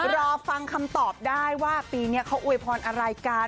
รอฟังคำตอบได้ว่าปีนี้เขาอวยพรอะไรกัน